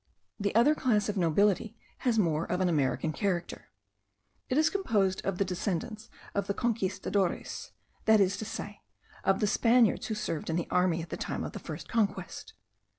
The other class of nobility has more of an American character. It is composed of the descendants of the Conquistadores, that is to say, of the Spaniards who served in the army at the time of the first conquest.